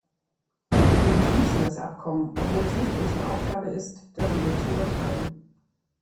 Wir begrüßen das Abkommen, obwohl es nicht unsere Aufgabe ist, darüber zu urteilen.